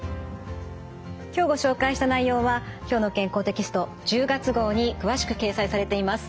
今日ご紹介した内容は「きょうの健康」テキスト１０月号に詳しく掲載されています。